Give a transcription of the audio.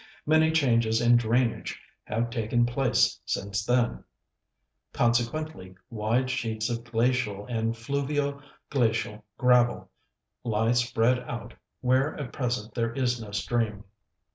Many changes in drainage have taken place since then; consequently wide sheets of glacial and fluvio glacial gravel lie spread out where at present there is no stream.